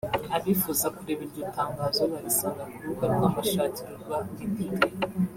Abifuza kureba iryo tangazo barisanga ku rubuga rw’amashakiro rwa Linkedin